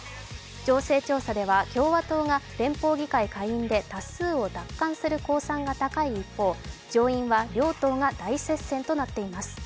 情勢調査では共和党が連邦議会下院で多数を奪還する公算が高い一方、上院は両党が大接戦となっています。